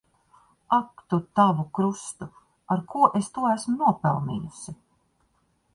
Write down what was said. Ak tu tavu krustu! Ar ko es to esmu nopelnījusi.